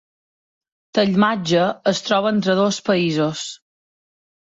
Tallmadge es troba entre dos països.